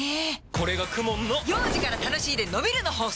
これがＫＵＭＯＮの幼児から楽しいでのびるの法則！